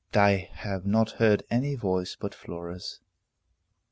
But I have not heard any voice but Flora's.